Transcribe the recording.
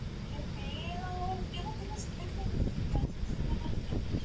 la cancela del huerto estaba abierta, y sentí nacer una sospecha